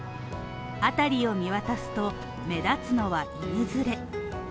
辺りを見渡すと、目立つのは犬連れ。